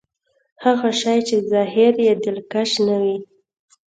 هغه شی چې ظاهر يې دلکش نه وي.